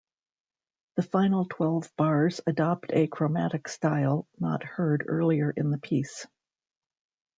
The final twelve bars adopt a chromatic style not heard earlier in the piece.